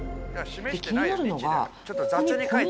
気になるのは。